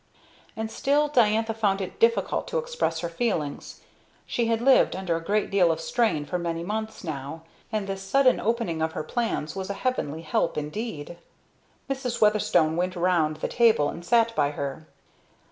And still Diantha found it difficult to express her feelings. She had lived under a good deal of strain for many months now, and this sudden opening out of her plans was a heavenly help indeed. Mrs. Weatherstone went around the table and sat by her.